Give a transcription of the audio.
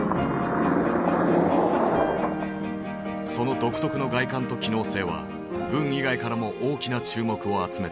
その独特の外観と機能性は軍以外からも大きな注目を集めた。